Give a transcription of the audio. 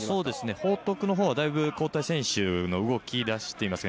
報徳のほうはだいぶ交代選手が動き出していますね。